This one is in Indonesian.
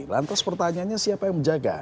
lantas pertanyaannya siapa yang menjaga